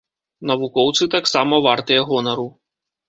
Навукоўцы таксама вартыя гонару.